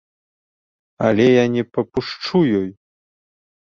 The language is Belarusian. Але я не папушчу ёй!